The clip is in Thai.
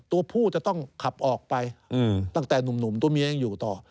ตัวผู้จะต้องขับออกไปตั้งแต่หนุ่มตัวเมียยังอยู่ต่อ